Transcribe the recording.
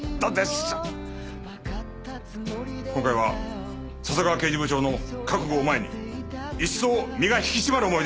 今回は笹川刑事部長の覚悟を前に一層身が引き締まる思いでした。